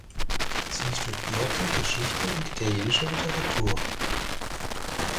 Sie studierte Geschichte und italienische Literatur.